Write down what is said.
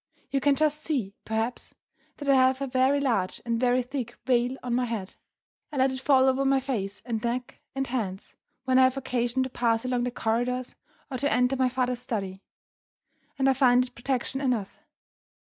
You can just see, perhaps, that I have a very large and very thick veil on my head. I let it fall over my face and neck and hands, when I have occasion to pass along the corridors or to enter my father's study and I find it protection enough.